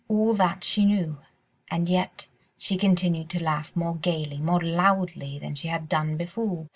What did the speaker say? All that she knew, and yet she continued to laugh more gaily, more loudly than she had done before.